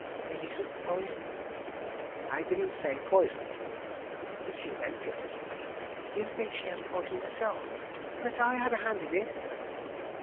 medicine? poison?" "I didn't say poison." "But you meant it. You think she has poisoned herself, and that I had a hand in it!"